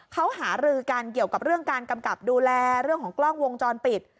เขาหารือกันเกี่ยวกับเรื่องการกำกับดูแลเรื่องของกล้องวงจรปิด